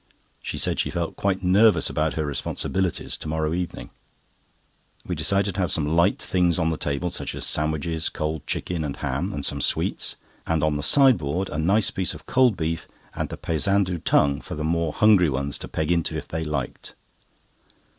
She said she felt quite nervous about her responsibilities to morrow evening. We decided to have some light things on the table, such as sandwiches, cold chicken and ham, and some sweets, and on the sideboard a nice piece of cold beef and a Paysandu tongue—for the more hungry ones to peg into if they liked.